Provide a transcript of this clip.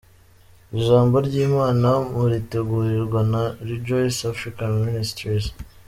Ijambo ry’Imana muritegurirwa na Rejoice Africa Ministries.